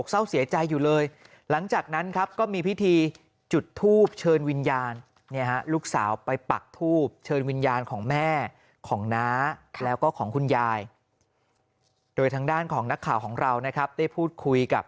รูปเชิญวิญญาณของแม่ของน้าแล้วก็ของคุณยายโดยทั้งด้านของนักข่าวของเรานะครับได้พูดคุยกับ